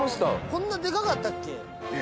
こんなデカかったっけ？